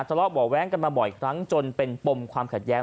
ทะเลาะบ่อแว้งกันมาบ่อยครั้งจนเป็นปมความขัดแย้